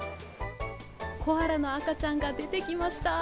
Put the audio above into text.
コアラの赤ちゃんが出てきました。